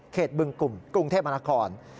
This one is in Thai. บึงกลุ่มกรุงเทพมนาคม